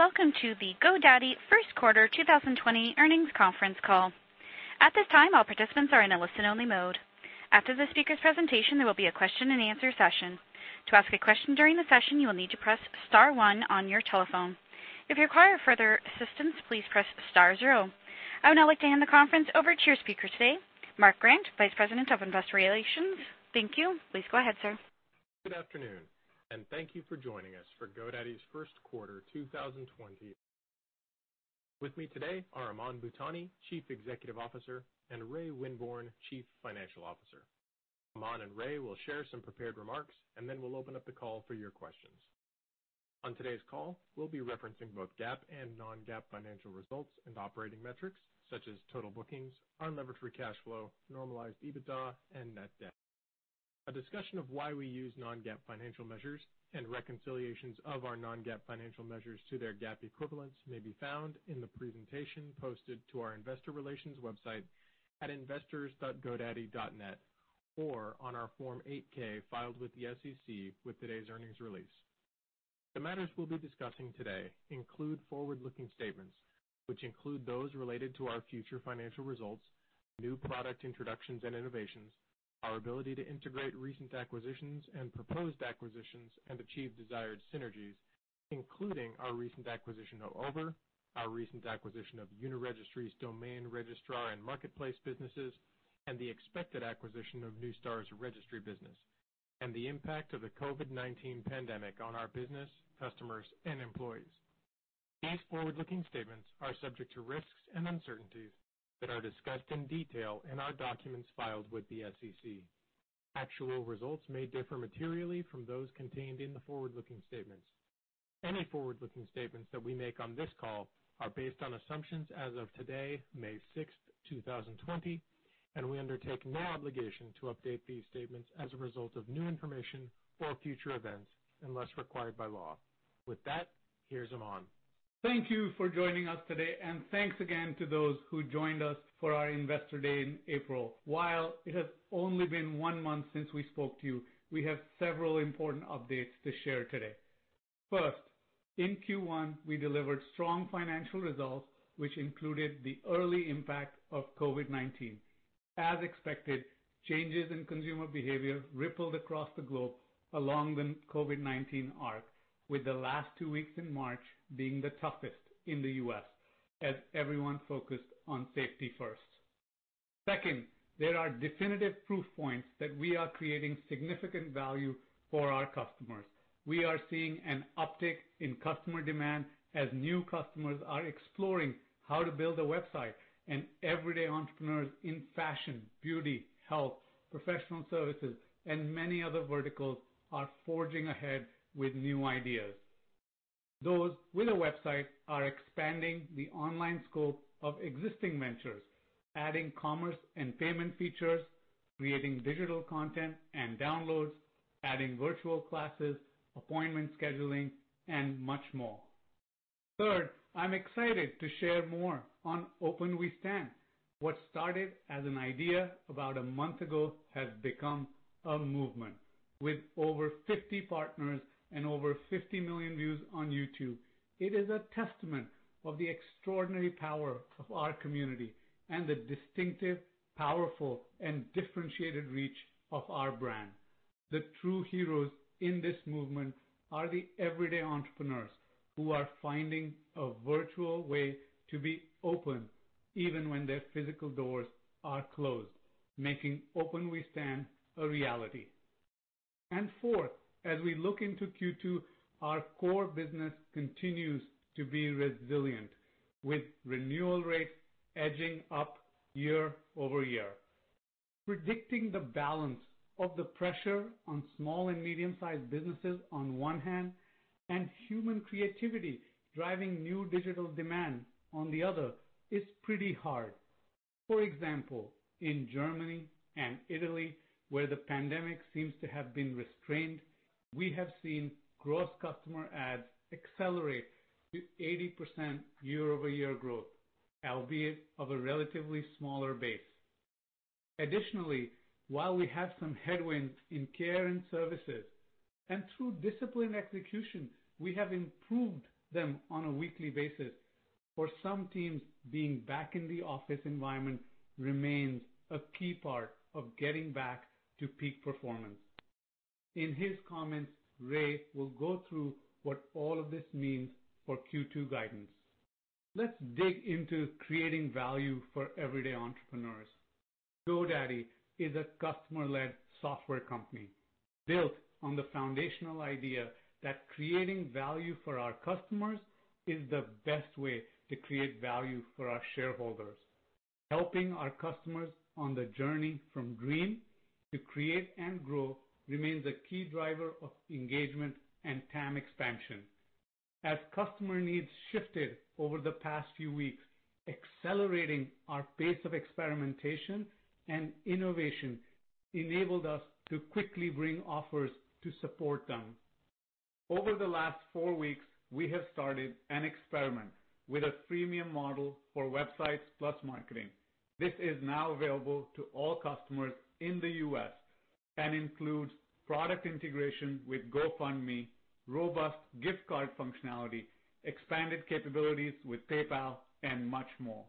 Welcome to the GoDaddy Q1 2020 earnings conference call. At this time, all participants are in a listen-only mode. After the speaker's presentation, there will be a question and answer session. To ask a question during the session, you will need to press star one on your telephone. If you require further assistance, please press star zero. I would now like to hand the conference over to your speaker today, Mark Grant, Vice President of Investor Relations. Thank you. Please go ahead, sir. Good afternoon. Thank you for joining us for GoDaddy's Q1 2020. With me today are Aman Bhutani, Chief Executive Officer, and Ray Winborne, Chief Financial Officer. Aman and Ray will share some prepared remarks, and then we'll open up the call for your questions. On today's call, we'll be referencing both GAAP and non-GAAP financial results and operating metrics such as total bookings, unlevered free cash flow, normalized EBITDA, and net debt. A discussion of why we use non-GAAP financial measures and reconciliations of our non-GAAP financial measures to their GAAP equivalents may be found in the presentation posted to our investor relations website at investors.godaddy.net or on our Form 8-K filed with the SEC with today's earnings release. The matters we'll be discussing today include forward-looking statements, which include those related to our future financial results, new product introductions and innovations, our ability to integrate recent acquisitions and proposed acquisitions and achieve desired synergies, including our recent acquisition of Over, our recent acquisition of Uniregistry's domain registrar and marketplace businesses, and the expected acquisition of Neustar's registry business, and the impact of the COVID-19 pandemic on our business, customers, and employees. These forward-looking statements are subject to risks and uncertainties that are discussed in detail in our documents filed with the SEC. Actual results may differ materially from those contained in the forward-looking statements. Any forward-looking statements that we make on this call are based on assumptions as of today, May 6th, 2020, and we undertake no obligation to update these statements as a result of new information or future events unless required by law. With that, here's Aman. Thank you for joining us today, and thanks again to those who joined us for our Investor Day in April. While it has only been one month since we spoke to you, we have several important updates to share today. First, in Q1, we delivered strong financial results, which included the early impact of COVID-19. As expected, changes in consumer behavior rippled across the globe along the COVID-19 arc, with the last two weeks in March being the toughest in the U.S. as everyone focused on safety first. Second, there are definitive proof points that we are creating significant value for our customers. We are seeing an uptick in customer demand as new customers are exploring how to build a website, and everyday entrepreneurs in fashion, beauty, health, professional services, and many other verticals are forging ahead with new ideas. Those with a website are expanding the online scope of existing ventures, adding commerce and payment features, creating digital content and downloads, adding virtual classes, appointment scheduling, and much more. I'm excited to share more on Open We Stand. What started as an idea about a month ago has become a movement. With over 50 partners and over 50 million views on YouTube, it is a testament of the extraordinary power of our community and the distinctive, powerful, and differentiated reach of our brand. The true heroes in this movement are the everyday entrepreneurs who are finding a virtual way to be open even when their physical doors are closed, making Open We Stand a reality. As we look into Q2, our core business continues to be resilient, with renewal rates edging up year-over-year. Predicting the balance of the pressure on small and medium-sized businesses on one hand, and human creativity driving new digital demand on the other, is pretty hard. For example, in Germany and Italy, where the pandemic seems to have been restrained, we have seen gross customer adds accelerate to 80% year-over-year growth, albeit of a relatively smaller base. While we have some headwinds in care and services, and through disciplined execution, we have improved them on a weekly basis. For some teams, being back in the office environment remains a key part of getting back to peak performance. In his comments, Ray will go through what all of this means for Q2 guidance. Let's dig into creating value for everyday entrepreneurs. GoDaddy is a customer-led software company built on the foundational idea that creating value for our customers is the best way to create value for our shareholders. Helping our customers on the journey from dream to create and grow remains a key driver of engagement and TAM expansion. As customer needs shifted over the past few weeks, accelerating our pace of experimentation and innovation enabled us to quickly bring offers to support them. Over the last four weeks, we have started an experiment with a freemium model for Websites + Marketing. This is now available to all customers in the U.S. and includes product integration with GoFundMe, robust gift card functionality, expanded capabilities with PayPal, and much more.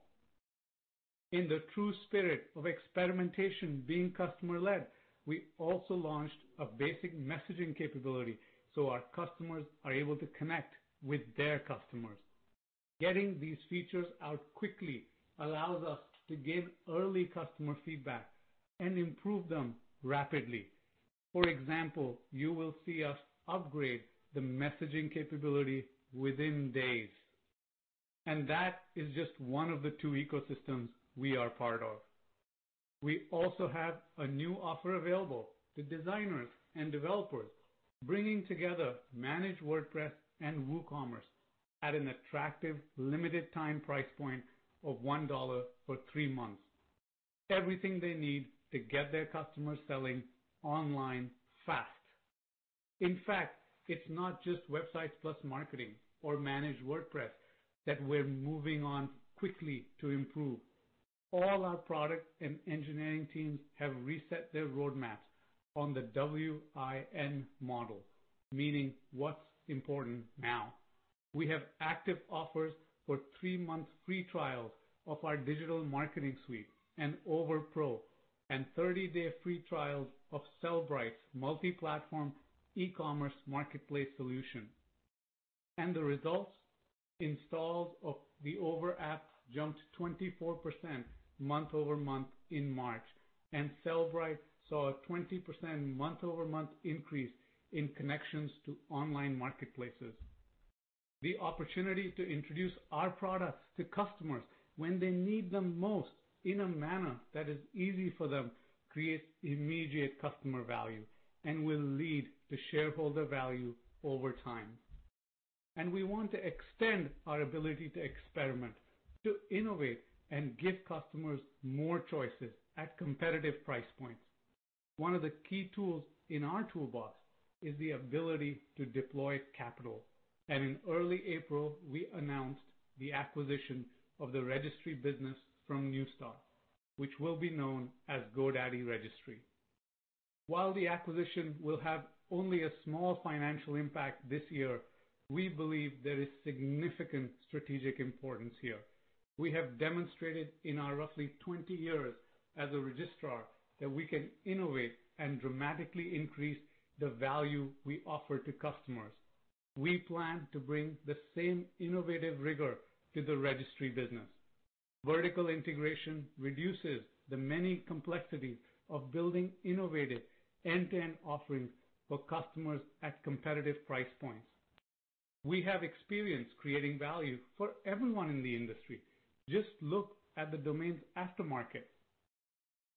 In the true spirit of experimentation being customer-led, we also launched a basic messaging capability so our customers are able to connect with their customers. Getting these features out quickly allows us to get early customer feedback and improve them rapidly. For example, you will see us upgrade the messaging capability within days. That is just one of the two ecosystems we are part of. We also have a new offer available to designers and developers, bringing together Managed WordPress and WooCommerce at an attractive limited time price point of $1 for three months. Everything they need to get their customers selling online fast. In fact, it's not just Websites + Marketing or Managed WordPress that we're moving on quickly to improve. All our product and engineering teams have reset their roadmaps on the WIN model, meaning What's Important Now. We have active offers for three-month free trials of our Digital Marketing Suite and Over Pro, and 30-day free trials of Sellbrite's multi-platform e-commerce marketplace solution. The results, installs of the Over app jumped 24% month-over-month in March, and Sellbrite saw a 20% month-over-month increase in connections to online marketplaces. The opportunity to introduce our products to customers when they need them most in a manner that is easy for them creates immediate customer value and will lead to shareholder value over time. We want to extend our ability to experiment, to innovate and give customers more choices at competitive price points. One of the key tools in our toolbox is the ability to deploy capital, and in early April, we announced the acquisition of the registry business from Neustar, which will be known as GoDaddy Registry. While the acquisition will have only a small financial impact this year, we believe there is significant strategic importance here. We have demonstrated in our roughly 20 years as a registrar that we can innovate and dramatically increase the value we offer to customers. We plan to bring the same innovative rigor to the registry business. Vertical integration reduces the many complexities of building innovative end-to-end offerings for customers at competitive price points. We have experience creating value for everyone in the industry. Just look at the domains aftermarket.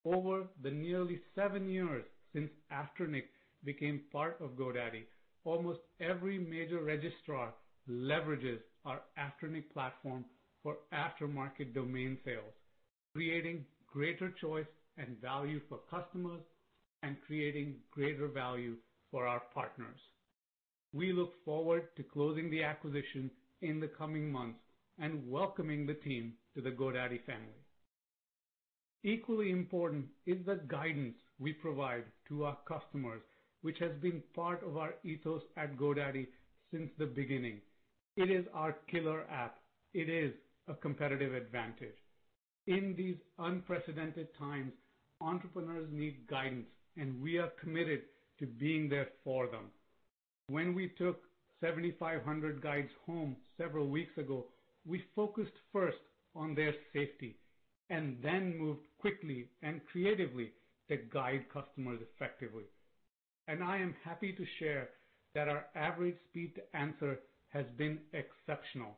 Over the nearly seven years since Afternic became part of GoDaddy, almost every major registrar leverages our Afternic platform for aftermarket domain sales, creating greater choice and value for customers and creating greater value for our partners. We look forward to closing the acquisition in the coming months and welcoming the team to the GoDaddy family. Equally important is the guidance we provide to our customers, which has been part of our ethos at GoDaddy since the beginning. It is our killer app. It is a competitive advantage. In these unprecedented times, entrepreneurs need guidance, and we are committed to being there for them. When we took 7,500 guides home several weeks ago, we focused first on their safety and then moved quickly and creatively to guide customers effectively. I am happy to share that our average speed to answer has been exceptional.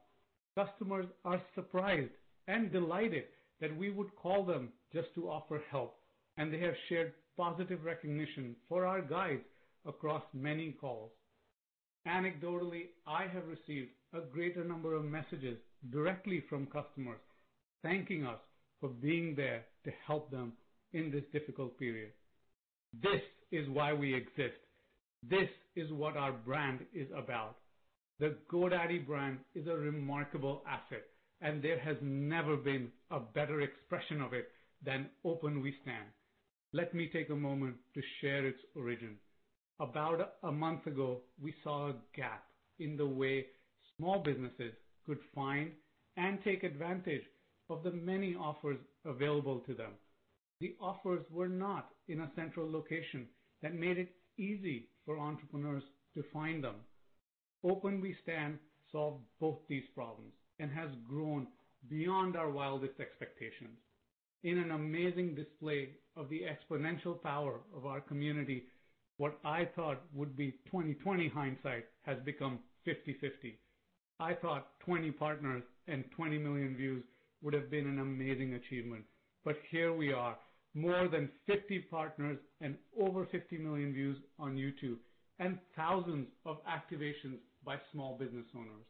Customers are surprised and delighted that we would call them just to offer help, and they have shared positive recognition for our guides across many calls. Anecdotally, I have received a greater number of messages directly from customers thanking us for being there to help them in this difficult period. This is why we exist. This is what our brand is about. The GoDaddy brand is a remarkable asset, and there has never been a better expression of it than Open We Stand. Let me take a moment to share its origin. About a month ago, we saw a gap in the way small businesses could find and take advantage of the many offers available to them. The offers were not in a central location that made it easy for entrepreneurs to find them. Open We Stand solved both these problems and has grown beyond our wildest expectations. In an amazing display of the exponential power of our community, what I thought would be 2020 hindsight has become 50/50. I thought 20 partners and 20 million views would have been an amazing achievement, but here we are, more than 50 partners and over 50 million views on YouTube, and thousands of activations by small business owners.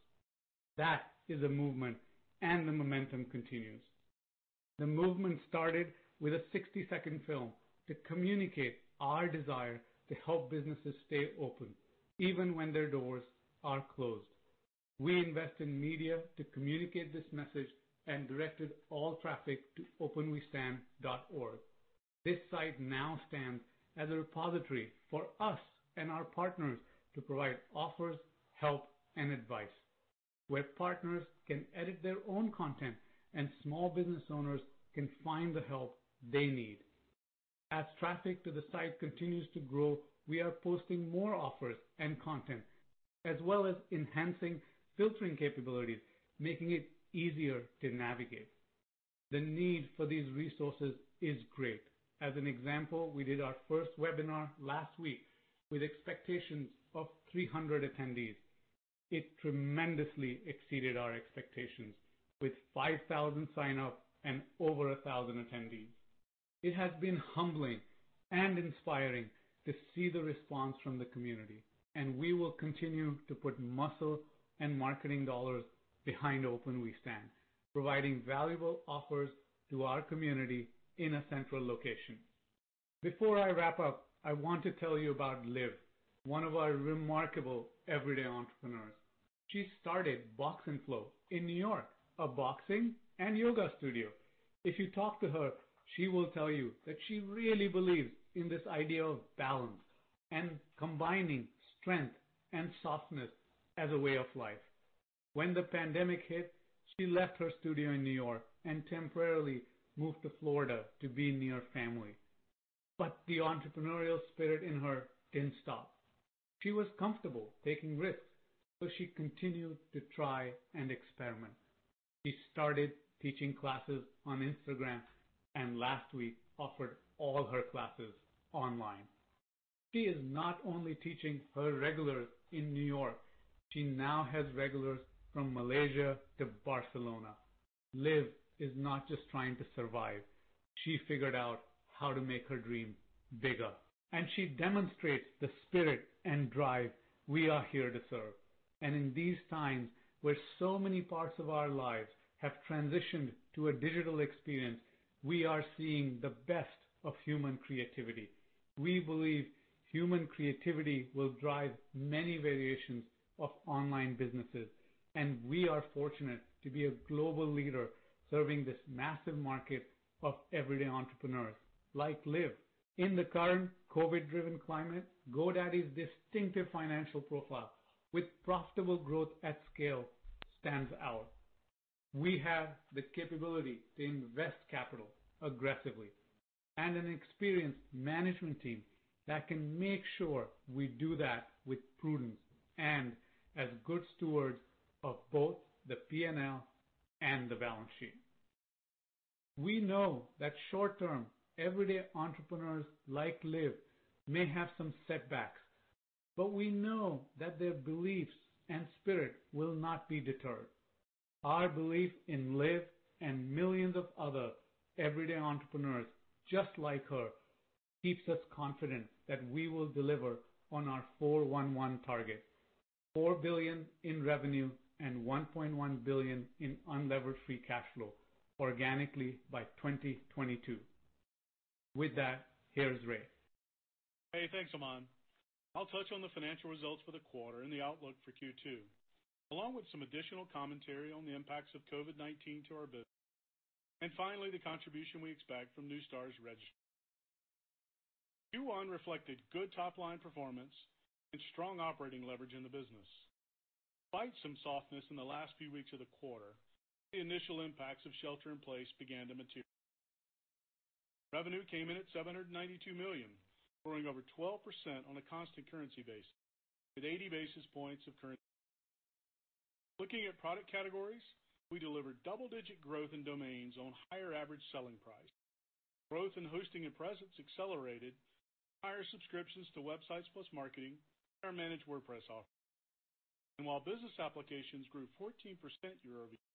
That is a movement, and the momentum continues. The movement started with a 60-second film to communicate our desire to help businesses stay open, even when their doors are closed. We invest in media to communicate this message and directed all traffic to openwestand.org. This site now stands as a repository for us and our partners to provide offers, help, and advice, where partners can edit their own content and small business owners can find the help they need. As traffic to the site continues to grow, we are posting more offers and content, as well as enhancing filtering capabilities, making it easier to navigate. The need for these resources is great. As an example, we did our first webinar last week with expectations of 300 attendees. It tremendously exceeded our expectations, with 5,000 sign-ups and over 1,000 attendees. It has been humbling and inspiring to see the response from the community. We will continue to put muscle and marketing dollars behind Open We Stand, providing valuable offers to our community in a central location. Before I wrap up, I want to tell you about Liv, one of our remarkable everyday entrepreneurs. She started Box + Flow in New York, a boxing and yoga studio. If you talk to her, she will tell you that she really believes in this idea of balance and combining strength and softness as a way of life. When the pandemic hit, she left her studio in New York and temporarily moved to Florida to be near family. The entrepreneurial spirit in her didn't stop. She was comfortable taking risks. She continued to try and experiment. She started teaching classes on Instagram. Last week offered all her classes online. She is not only teaching her regulars in New York, she now has regulars from Malaysia to Barcelona. Liv is not just trying to survive. She figured out how to make her dream bigger, and she demonstrates the spirit and drive we are here to serve. In these times, where so many parts of our lives have transitioned to a digital experience, we are seeing the best of human creativity. We believe human creativity will drive many variations of online businesses, and we are fortunate to be a global leader serving this massive market of everyday entrepreneurs like Liv. In the current COVID-driven climate, GoDaddy's distinctive financial profile, with profitable growth at scale, stands out. We have the capability to invest capital aggressively and an experienced management team that can make sure we do that with prudence and as good stewards of both the P&L and the balance sheet. We know that short term, everyday entrepreneurs like Liv may have some setbacks, but we know that their beliefs and spirit will not be deterred. Our belief in Liv and millions of other everyday entrepreneurs just like her keeps us confident that we will deliver on our 411 target, $4 billion in revenue and $1.1 billion of unlevered free cash flow organically by 2022. With that, here's Ray. Hey, thanks, Aman. I'll touch on the financial results for the quarter and the outlook for Q2, along with some additional commentary on the impacts of COVID-19 to our business, and finally, the contribution we expect from Neustar Registry. Q1 reflected good top-line performance and strong operating leverage in the business. Despite some softness in the last few weeks of the quarter, the initial impacts of shelter in place began to materialize. Revenue came in at $792 million, growing over 12% on a constant currency basis, with 80 basis points of currency. Looking at product categories, we delivered double-digit growth in domains on higher average selling price. Growth in hosting and presence accelerated higher subscriptions to Websites + Marketing and our Managed WordPress offerings. While business applications grew 14% year-over-year,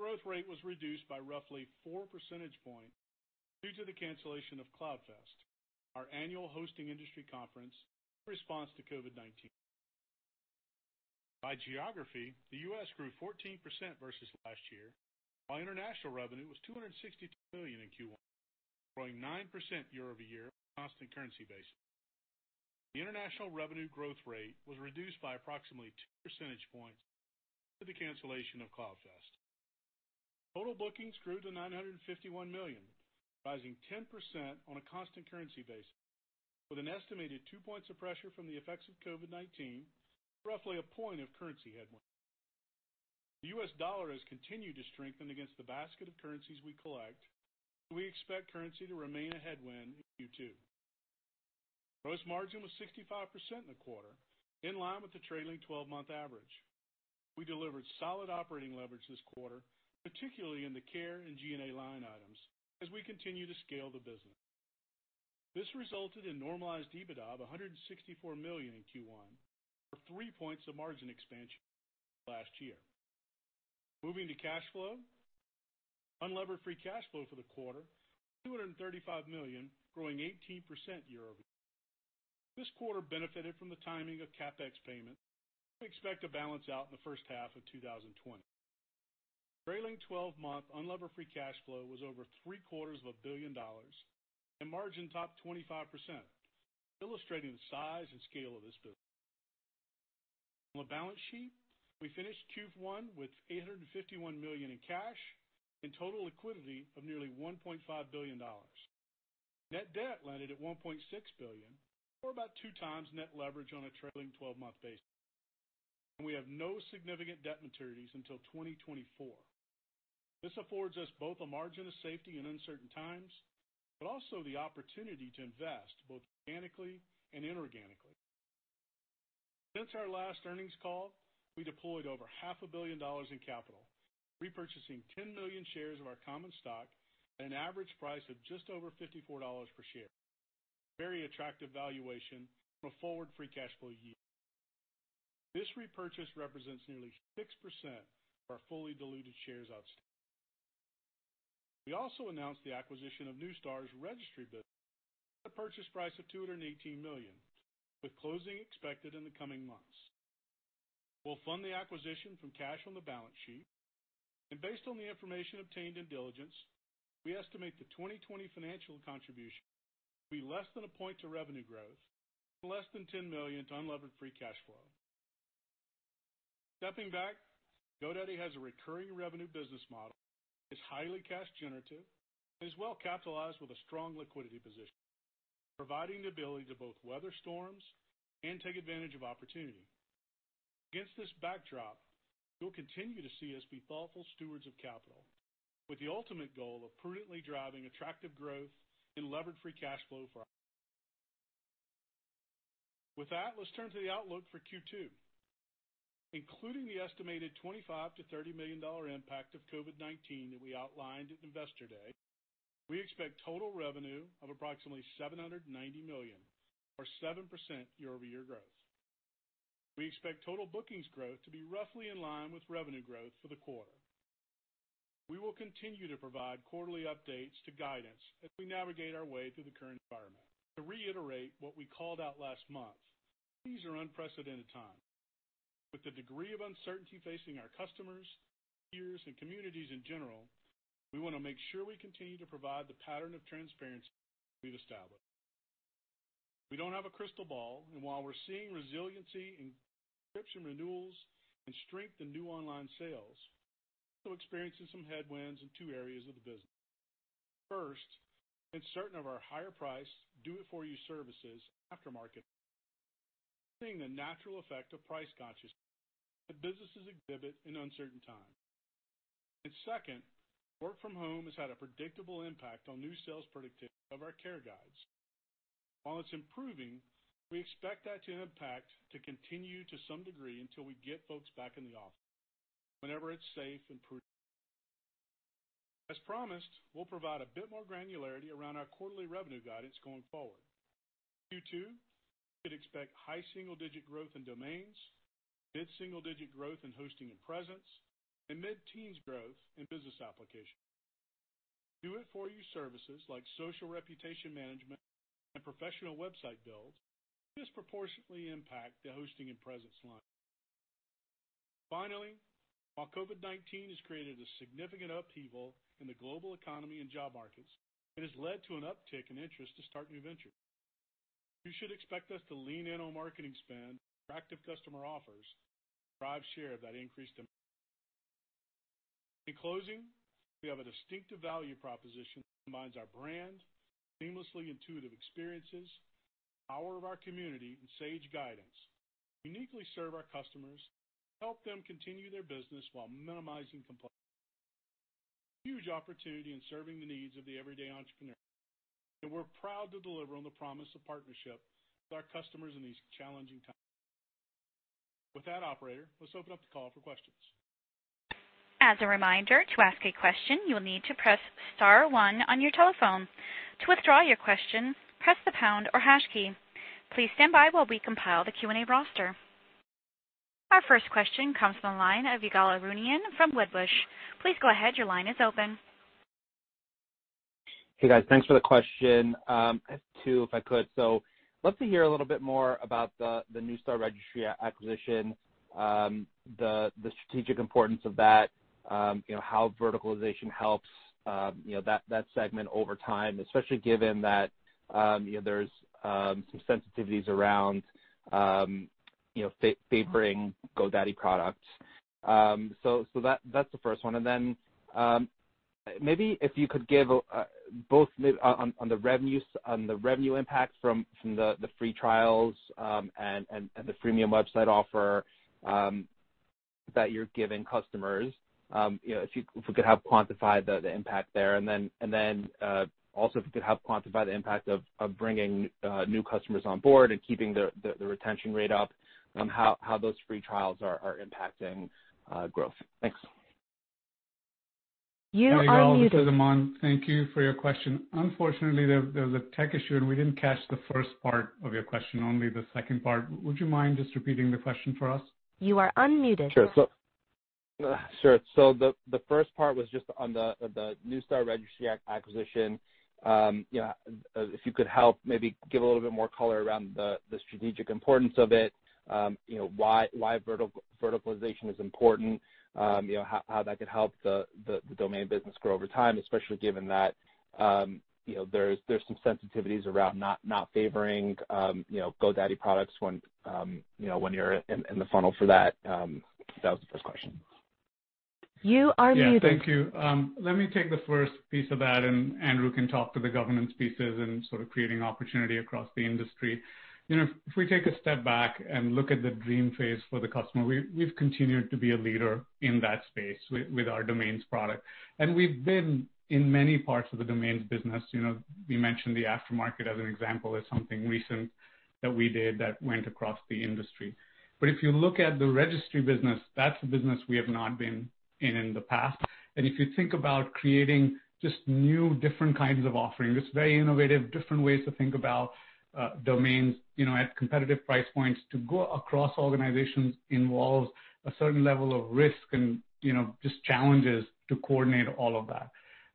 growth rate was reduced by roughly four percentage points due to the cancellation of CloudFest, our annual hosting industry conference, in response to COVID-19. By geography, the U.S. grew 14% versus last year, while international revenue was $262 million in Q1, growing nine percent year-over-year on a constant currency basis. The international revenue growth rate was reduced by approximately two percentage points due to the cancellation of CloudFest. Total bookings grew to $951 million, rising 10% on a constant currency basis, with an estimated two points of pressure from the effects of COVID-19, roughly one point of currency headwind. The U.S. dollar has continued to strengthen against the basket of currencies we collect. We expect currency to remain a headwind in Q2. Gross margin was 65% in the quarter, in line with the trailing 12-month average. We delivered solid operating leverage this quarter, particularly in the care and G&A line items, as we continue to scale the business. This resulted in normalized EBITDA of $164 million in Q1, or three points of margin expansion last year. Moving to cash flow, unlevered free cash flow for the quarter, $235 million, growing 18% year-over-year. This quarter benefited from the timing of CapEx payments. We expect to balance out in the first half of 2020. Trailing 12-month unlevered free cash flow was over Q3 of a billion dollars, margin top 25%, illustrating the size and scale of this business. On the balance sheet, we finished Q1 with $851 million in cash and total liquidity of nearly $1.5 billion. Net debt landed at $1.6 billion, or about 2x net leverage on a trailing 12-month basis. We have no significant debt maturities until 2024. This affords us both a margin of safety in uncertain times, but also the opportunity to invest, both organically and inorganically. Since our last earnings call, we deployed over half a billion dollars in capital, repurchasing 10 million shares of our common stock at an average price of just over $54 per share. Very attractive valuation from a forward free cash flow yield. This repurchase represents nearly six percent of our fully diluted shares outstanding. We also announced the acquisition of Neustar Registry business at a purchase price of $218 million, with closing expected in the coming months. We'll fund the acquisition from cash on the balance sheet, and based on the information obtained in diligence, we estimate the 2020 financial contribution to be less than one point to revenue growth and less than $10 million to unlevered free cash flow. Stepping back, GoDaddy has a recurring revenue business model, is highly cash generative, and is well-capitalized with a strong liquidity position, providing the ability to both weather storms and take advantage of opportunity. Against this backdrop, you'll continue to see us be thoughtful stewards of capital, with the ultimate goal of prudently driving attractive growth in levered free cash flow. Let's turn to the outlook for Q2. Including the estimated $25 million-$30 million impact of COVID-19 that we outlined at Investor Day, we expect total revenue of approximately $790 million, or seven percent year-over-year growth. We expect total bookings growth to be roughly in line with revenue growth for the quarter. We will continue to provide quarterly updates to guidance as we navigate our way through the current environment. To reiterate what we called out last month, these are unprecedented times. With the degree of uncertainty facing our customers, peers, and communities in general, we want to make sure we continue to provide the pattern of transparency we've established. We don't have a crystal ball, and while we're seeing resiliency in subscription renewals and strength in new online sales, we're also experiencing some headwinds in two areas of the business. First, in certain of our higher priced do it for you services, Afternic, we're seeing the natural effect of price consciousness that businesses exhibit in uncertain times. Second, work from home has had a predictable impact on new sales predictability of our care guides. While it's improving, we expect that impact to continue to some degree until we get folks back in the office, whenever it's safe and prudent. As promised, we'll provide a bit more granularity around our quarterly revenue guidance going forward. Q2, you could expect high single-digit growth in domains, mid-single digit growth in hosting and presence, and mid-teens growth in business applications. Do it for you services, like social reputation management and professional website build, disproportionately impact the hosting and presence line. Finally, while COVID-19 has created a significant upheaval in the global economy and job markets, it has led to an uptick in interest to start new ventures. You should expect us to lean in on marketing spend and attractive customer offers to drive share of that increased demand. In closing, we have a distinctive value proposition that combines our brand, seamlessly intuitive experiences, the power of our community, and sage guidance to uniquely serve our customers and help them continue their business while minimizing complexity. There's huge opportunity in serving the needs of the everyday entrepreneur, and we're proud to deliver on the promise of partnership with our customers in these challenging times. With that, operator, let's open up the call for questions. As a reminder, to ask a question, you will need to press *one on your telephone. To withdraw your question, press the # or hash key. Please stand by while we compile the Q&A roster. Our first question comes from the line of Ygal Arounian from Wedbush. Please go ahead, your line is open. Hey, guys. Thanks for the question. I have two, if I could. Love to hear a little bit more about the Neustar Registry acquisition, the strategic importance of that, how verticalization helps that segment over time, especially given that there's some sensitivities around favoring GoDaddy products. That's the first one. Maybe if you could give both on the revenue impact from the free trials and the freemium website offer that you're giving customers, if we could have quantified the impact there, and then also if we could have quantified the impact of bringing new customers on board and keeping the retention rate up, how those free trials are impacting growth. Thanks. You are muted. Hi, Ygal. This is Aman. Thank you for your question. Unfortunately, there was a tech issue, and we didn't catch the first part of your question, only the second part. Would you mind just repeating the question for us? You are unmuted. Sure. The first part was just on the Neustar Registry acquisition. If you could help maybe give a little bit more color around the strategic importance of it, why verticalization is important, how that could help the domain business grow over time, especially given that there's some sensitivities around not favoring GoDaddy products when you're in the funnel for that. That was the first question. You are muted. Yeah, thank you. Let me take the first piece of that, Andrew can talk to the governance pieces and sort of creating opportunity across the industry. If we take a step back and look at the Dream phase for the customer, we've continued to be a leader in that space with our domains product. We've been in many parts of the domains business. We mentioned the Afternic as an example as something recent that we did that went across the industry. If you look at the Registry business, that's a business we have not been in in the past. If you think about creating just new, different kinds of offerings, it's very innovative, different ways to think about domains at competitive price points to go across organizations involves a certain level of risk and just challenges to coordinate all of that.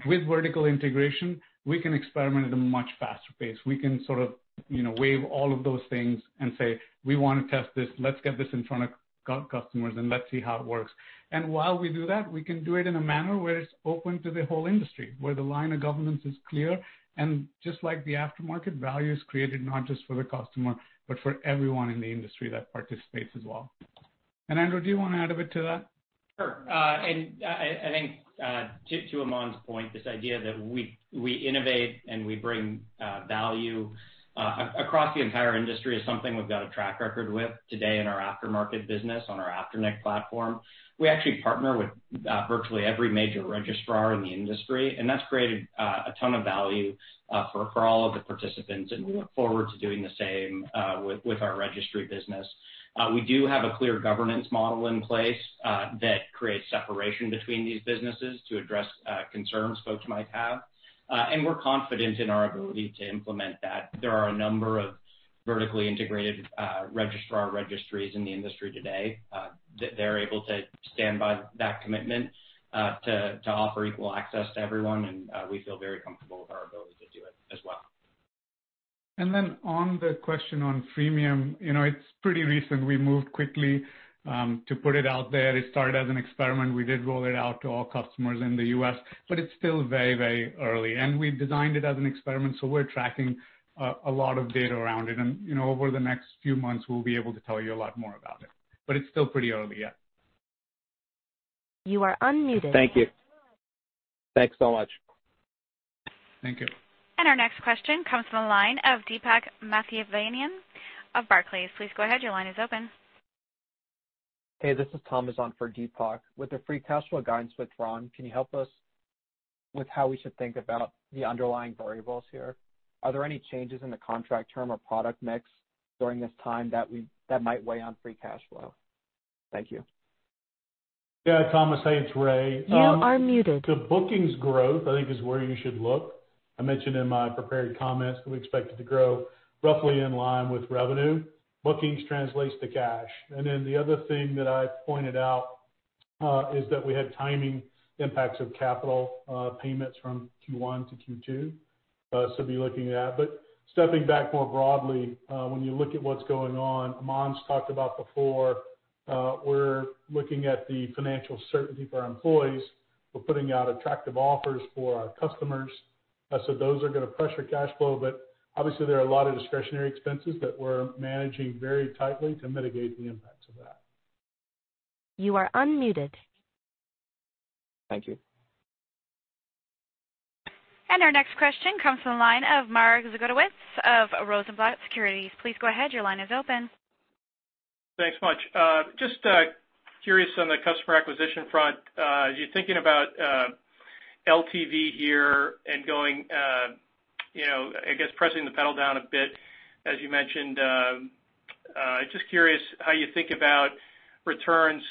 With vertical integration, we can experiment at a much faster pace. We can sort of wave all of those things and say, "We want to test this. Let's get this in front of customers and let's see how it works." While we do that, we can do it in a manner where it's open to the whole industry, where the line of governance is clear, and just like the aftermarket, value is created not just for the customer, but for everyone in the industry that participates as well. Andrew, do you want to add a bit to that? Sure. I think to Aman's point, this idea that we innovate and we bring value across the entire industry is something we've got a track record with today in our aftermarket business on our Afternic platform. We actually partner with virtually every major registrar in the industry, that's created a ton of value for all of the participants, we look forward to doing the same with our registry business. We do have a clear governance model in place that creates separation between these businesses to address concerns folks might have. We're confident in our ability to implement that. There are a number of vertically integrated registrar registries in the industry today. They're able to stand by that commitment to offer equal access to everyone, we feel very comfortable with our ability to do it as well. On the question on freemium, it's pretty recent. We moved quickly to put it out there. It started as an experiment. We did roll it out to all customers in the U.S., but it's still very early. We've designed it as an experiment, so we're tracking a lot of data around it. Over the next few months, we'll be able to tell you a lot more about it. It's still pretty early yet. You are unmuted. Thank you. Thanks so much. Thank you. Our next question comes from the line of Deepak Mathivanan of Barclays. Please go ahead. Your line is open. Hey, this is Thomas on for Deepak. With the free cash flow guidance withdrawn, can you help us with how we should think about the underlying variables here? Are there any changes in the contract term or product mix during this time that might weigh on free cash flow? Thank you. Yeah, Thomas. Hey, it's Ray. You are muted. The bookings growth, I think is where you should look. I mentioned in my prepared comments that we expect it to grow roughly in line with revenue. Bookings translates to cash. The other thing that I pointed out is that we had timing impacts of capital payments from Q1 - Q2. Be looking at that. Stepping back more broadly, when you look at what's going on, Aman's talked about before, we're looking at the financial certainty for our employees. We're putting out attractive offers for our customers. Those are going to pressure cash flow, but obviously there are a lot of discretionary expenses that we're managing very tightly to mitigate the impacts of that. You are unmuted. Thank you. Our next question comes from the line of Mark Zgutowicz of Rosenblatt Securities. Please go ahead. Your line is open. Thanks much. Just curious on the customer acquisition front, as you're thinking about LTV here and I guess pressing the pedal down a bit, as you mentioned, just curious how you think about returns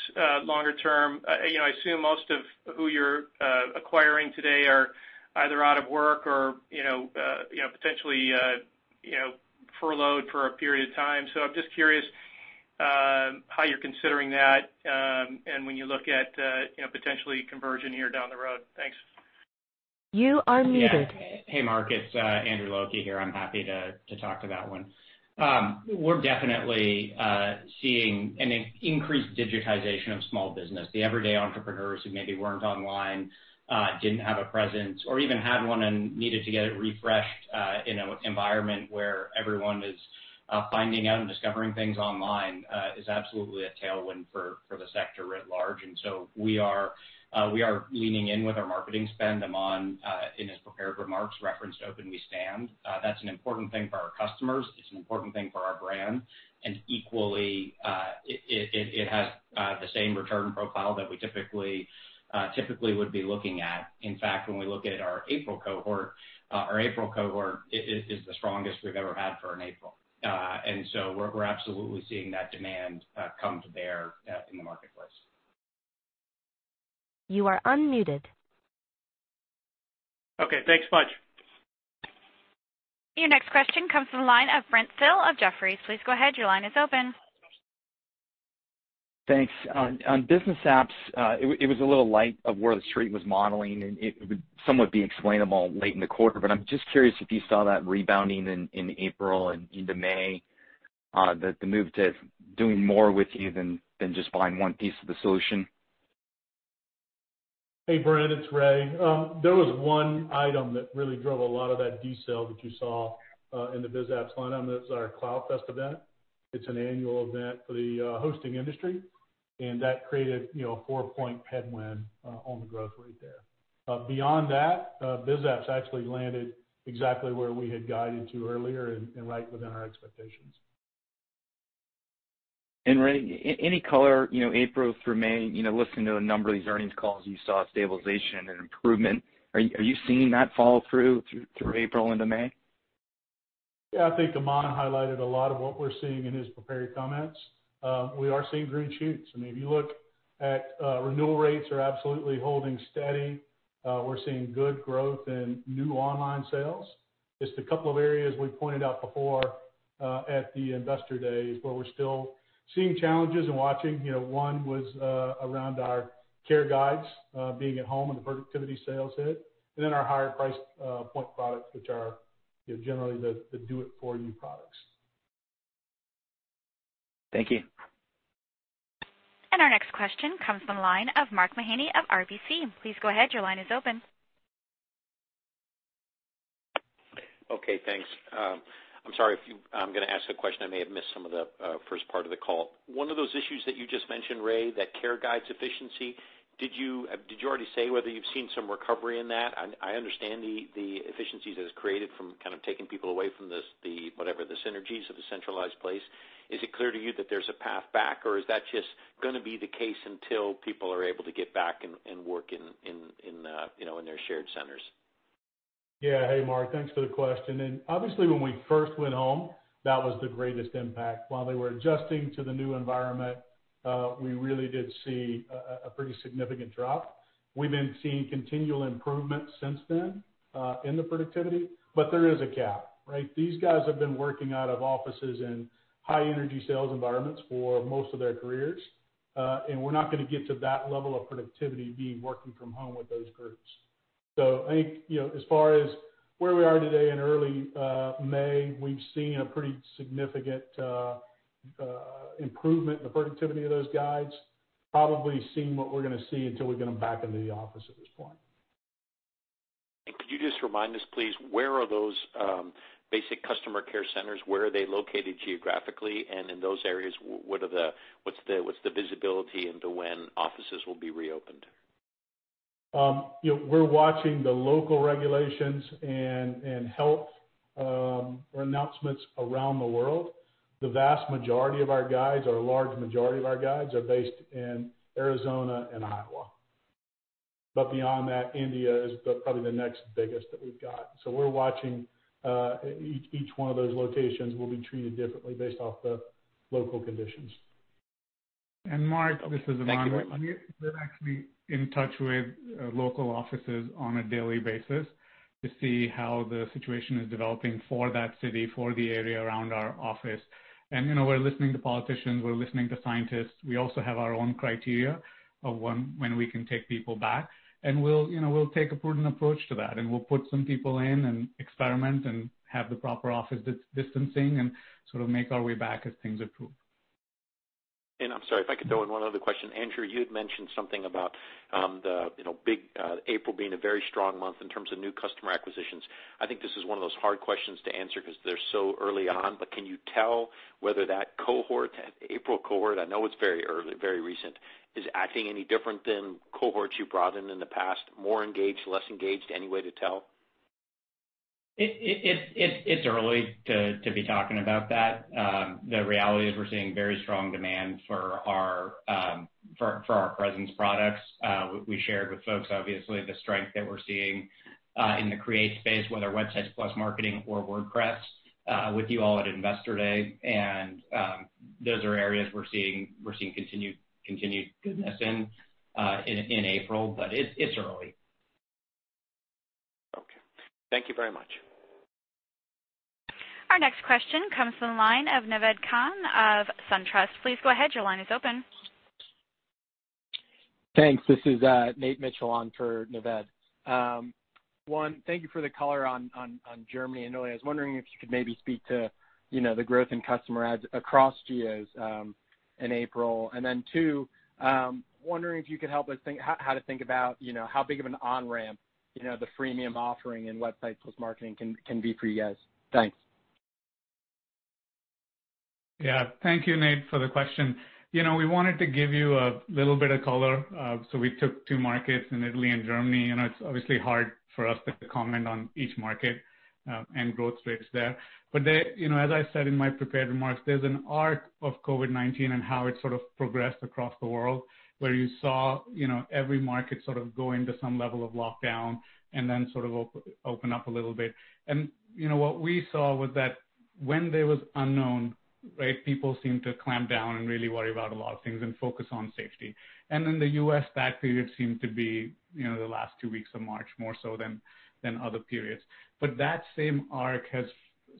longer term. I assume most of who you're acquiring today are either out of work or potentially furloughed for a period of time. I'm just curious how you're considering that and when you look at potentially conversion here down the road. Thanks. You are muted. Yeah. Hey, Mark Grant, it's Andrew Low Ah Kee here. I'm happy to talk to that one. We're definitely seeing an increased digitization of small business. The everyday entrepreneurs who maybe weren't online, didn't have a presence, or even had one and needed to get it refreshed in an environment where everyone is finding out and discovering things online is absolutely a tailwind for the sector writ large. We are leaning in with our marketing spend. Aman Bhutani, in his prepared remarks, referenced Open We Stand. That's an important thing for our customers. It's an important thing for our brand. Equally, it has the same return profile that we typically would be looking at. In fact, when we look at our April cohort, our April cohort is the strongest we've ever had for an April. We're absolutely seeing that demand come to bear in the marketplace. You are unmuted. Okay, thanks much. Your next question comes from the line of Brent Thill of Jefferies. Please go ahead, your line is open. Thanks. On business apps, it was a little light of where the Street was modeling, and it would somewhat be explainable late in the quarter. I'm just curious if you saw that rebounding in April and into May, the move to doing more with you than just buying one piece of the solution. Hey, Brent, it's Ray. There was one item that really drove a lot of that decel that you saw in the biz apps line item. That was our CloudFest event. It's an annual event for the hosting industry. That created a four-point headwind on the growth rate there. Beyond that, biz apps actually landed exactly where we had guided to earlier and right within our expectations. Ray, any color April through May, listening to a number of these earnings calls, and you saw stabilization and improvement. Are you seeing that follow through April into May? Yeah, I think Aman highlighted a lot of what we're seeing in his prepared comments. We are seeing dream shoots. I mean, if you look at renewal rates are absolutely holding steady. We're seeing good growth in new online sales. Just a couple of areas we pointed out before, at the investor day, where we're still seeing challenges and watching. One was around our care guides being at home and the productivity sales hit. Our higher price point products, which are generally the do it for you products. Thank you. Our next question comes from the line of Mark Mahaney of RBC. Please go ahead, your line is open. Okay, thanks. I'm sorry if I'm going to ask a question, I may have missed some of the first part of the call. One of those issues that you just mentioned, Ray, that care guides efficiency. Did you already say whether you've seen some recovery in that? I understand the efficiencies it has created from kind of taking people away from whatever the synergies of the centralized place. Is it clear to you that there's a path back or is that just going to be the case until people are able to get back and work in their shared centers? Yeah. Hey, Mark, thanks for the question. Obviously when we first went home, that was the greatest impact. While they were adjusting to the new environment, we really did see a pretty significant drop. We've been seeing continual improvement since then, in the productivity. There is a gap, right? These guys have been working out of offices in high energy sales environments for most of their careers. We're not going to get to that level of productivity being working from home with those groups. I think, as far as where we are today in early May, we've seen a pretty significant improvement in the productivity of those guys. Probably seeing what we're going to see until we get them back into the office at this point. Could you just remind us, please, where are those basic customer care centers? Where are they located geographically? In those areas, what's the visibility into when offices will be reopened? We're watching the local regulations and health announcements around the world. The vast majority of our guides, or a large majority of our guides, are based in Arizona and Iowa. Beyond that, India is probably the next biggest that we've got. We're watching, each one of those locations will be treated differently based off the local conditions. Mark, this is Aman. Thank you, Ray. We're actually in touch with local offices on a daily basis to see how the situation is developing for that city, for the area around our office. We're listening to politicians, we're listening to scientists. We also have our own criteria of when we can take people back, and we'll take a prudent approach to that. We'll put some people in and experiment and have the proper office distancing and sort of make our way back as things improve. I'm sorry if I could throw in one other question. Andrew, you had mentioned something about April being a very strong month in terms of new customer acquisitions. I think this is one of those hard questions to answer because they're so early on, but can you tell whether that cohort, that April cohort, I know it's very early, very recent, is acting any different than cohorts you've brought in in the past, more engaged, less engaged? Any way to tell? It's early to be talking about that. The reality is we're seeing very strong demand for our Presence products. We shared with folks, obviously, the strength that we're seeing in the Create space, whether Websites + Marketing or WordPress, with you all at Investor Day. Those are areas we're seeing continued goodness in April. It's early. Okay. Thank you very much. Our next question comes from the line of Naved Khan of SunTrust. Please go ahead, your line is open. Thanks. This is Nate Mitchell on for Naved. One, thank you for the color on Germany and Italy. I was wondering if you could maybe speak to the growth in customer adds across geos in April. Two, wondering if you could help us think how to think about how big of an on-ramp the freemium offering in Websites + Marketing can be for you guys. Thanks. Yeah. Thank you, Nate, for the question. We wanted to give you a little bit of color, so we took two markets in Italy and Germany, and it's obviously hard for us to comment on each market and growth rates there. As I said in my prepared remarks, there's an arc of COVID-19 and how it sort of progressed across the world, where you saw every market sort of go into some level of lockdown and then sort of open up a little bit. What we saw was that. When there was unknown, people seemed to clamp down and really worry about a lot of things and focus on safety. In the U.S., that period seemed to be the last two weeks of March, more so than other periods. That same arc has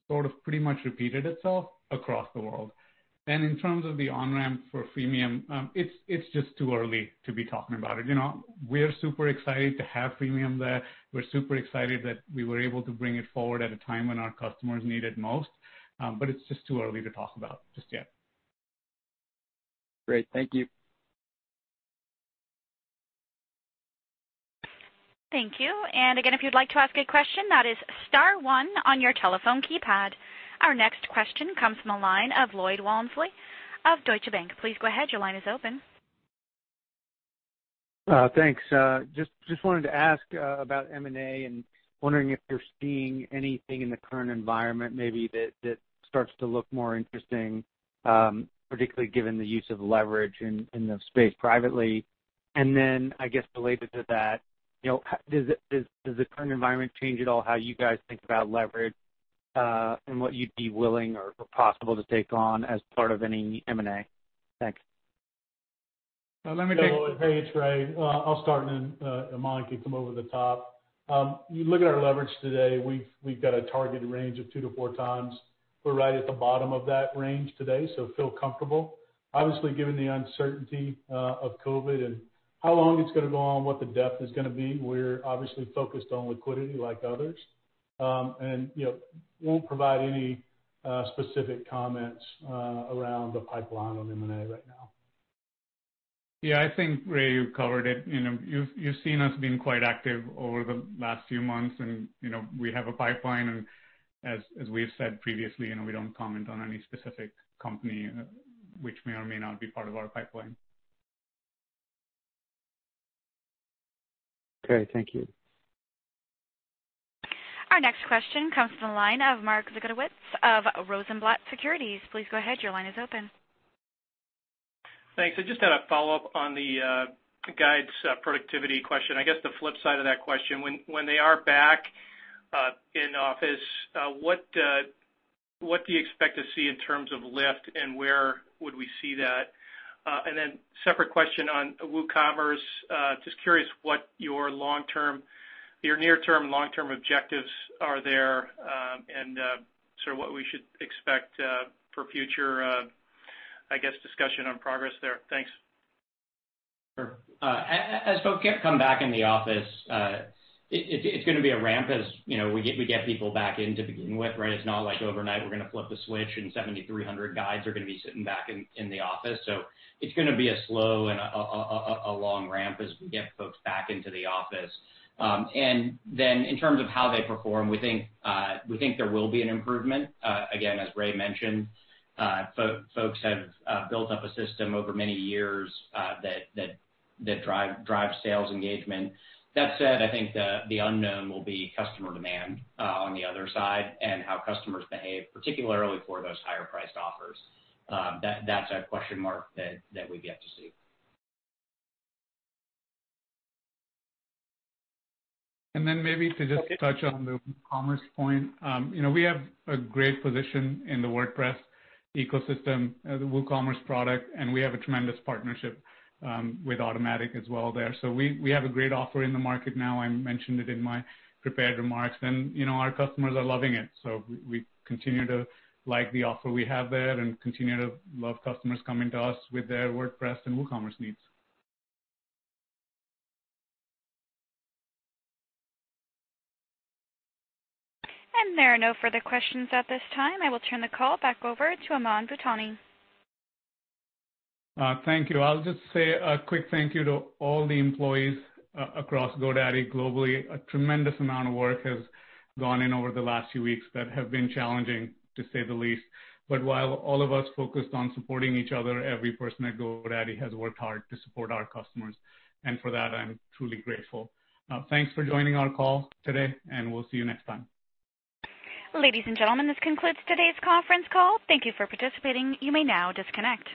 sort of pretty much repeated itself across the world. In terms of the on-ramp for freemium, it's just too early to be talking about it. We're super excited to have freemium there. We're super excited that we were able to bring it forward at a time when our customers need it most. It's just too early to talk about just yet. Great. Thank you. Thank you. Again, if you'd like to ask a question, that is star one on your telephone keypad. Our next question comes from the line of Lloyd Walmsley of Deutsche Bank. Please go ahead. Your line is open. Thanks. Just wanted to ask about M&A and wondering if you're seeing anything in the current environment maybe that starts to look more interesting, particularly given the use of leverage in the space privately. I guess related to that, does the current environment change at all how you guys think about leverage and what you'd be willing or possible to take on as part of any M&A? Thanks. Let me take- Hey, it's Ray. I'll start and then Aman can come over the top. You look at our leverage today, we've got a targeted range of 2x - 4x. We're right at the bottom of that range today, so feel comfortable. Obviously, given the uncertainty of COVID-19 and how long it's going to go on, what the depth is going to be, we're obviously focused on liquidity like others. We won't provide any specific comments around the pipeline on M&A right now. Yeah, I think, Ray, you covered it. You've seen us being quite active over the last few months and we have a pipeline and as we've said previously, we don't comment on any specific company which may or may not be part of our pipeline. Okay, thank you. Our next question comes from the line of Mark Zgutowicz of Rosenblatt Securities. Please go ahead. Your line is open. Thanks. I just had a follow-up on the guides productivity question. I guess the flip side of that question, when they are back in office, what do you expect to see in terms of lift, and where would we see that? Separate question on WooCommerce, just curious what your near-term, long-term objectives are there, and sort of what we should expect for future, I guess, discussion on progress there. Thanks. Sure. As folks come back in the office, it's going to be a ramp as we get people back in to begin with. It's not like overnight we're going to flip the switch and 7,300 guides are going to be sitting back in the office. It's going to be a slow and a long ramp as we get folks back into the office. In terms of how they perform, we think there will be an improvement. Again, as Ray mentioned, folks have built up a system over many years that drive sales engagement. That said, I think the unknown will be customer demand on the other side and how customers behave, particularly for those higher priced offers. That's a question mark that we get to see. Then maybe to just touch on the WooCommerce point. We have a great position in the WordPress ecosystem, the WooCommerce product, and we have a tremendous partnership with Automattic as well there. We have a great offer in the market now. I mentioned it in my prepared remarks, and our customers are loving it. We continue to like the offer we have there and continue to love customers coming to us with their WordPress and WooCommerce needs. There are no further questions at this time. I will turn the call back over to Aman Bhutani. Thank you. I'll just say a quick thank you to all the employees across GoDaddy globally. A tremendous amount of work has gone in over the last few weeks that have been challenging, to say the least. While all of us focused on supporting each other, every person at GoDaddy has worked hard to support our customers, and for that, I'm truly grateful. Thanks for joining our call today, and we'll see you next time. Ladies and gentlemen, this concludes today's conference call. Thank you for participating. You may now disconnect.